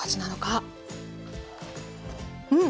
うん！